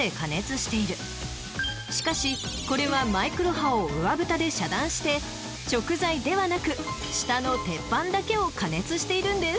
［しかしこれはマイクロ波を上ぶたで遮断して食材ではなく下の鉄板だけを加熱しているんです］